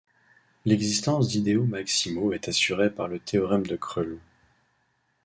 L'existence d'idéaux maximaux est assurée par le théorème de Krull.